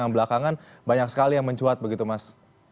yang belakangan banyak sekali yang mencuat begitu mas